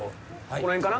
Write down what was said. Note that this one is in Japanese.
この辺かな？